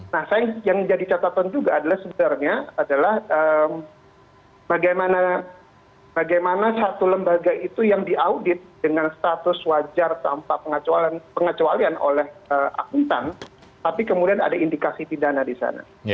nah saya yang jadi catatan juga adalah sebenarnya adalah bagaimana satu lembaga itu yang diaudit dengan status wajar tanpa pengecualian oleh akuntan tapi kemudian ada indikasi pidana di sana